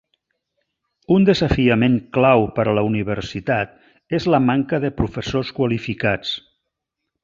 Un desafiament clau per a la universitat és la manca de professors qualificats.